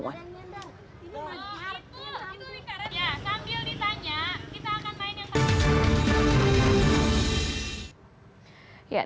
kita akan main yang sama